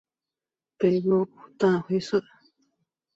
背部淡灰色。